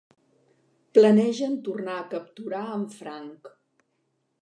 Planegen tornar a capturar en Frank.